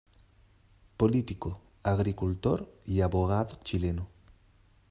Político, agricultor y abogado chileno.